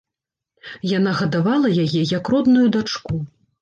Яна гадавала яе як родную дачку.